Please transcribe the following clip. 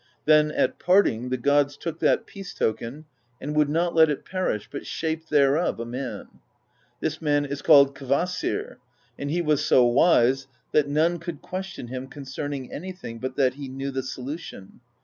Then at parting the gods took that peace token and would not let it perish, but shaped thereof a man. This man is called Kvasir, and he was so wise that none could question him concerning anything but that he knew the solution.